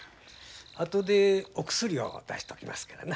後でお薬を出しときますからな。